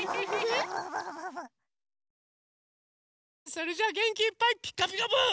それじゃあげんきいっぱい「ピカピカブ！」